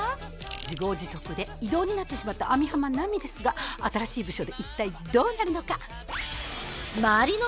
自業自得で異動になってしまった網浜奈美ですが新しい部署で一体どうなるのか？